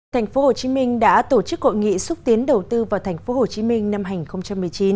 thành phố hồ chí minh đã tổ chức cội nghị xúc tiến đầu tư vào thành phố hồ chí minh năm hai nghìn một mươi chín